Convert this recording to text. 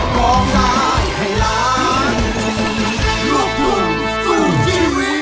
กลับหน้า